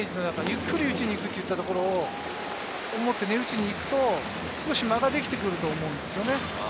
ゆっくり打ちにいくっていったところを思って打ちに行くと少し間ができてくると思うんですね。